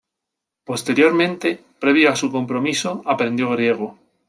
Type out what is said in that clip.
Posteriormente, previo a su compromiso, aprendió griego.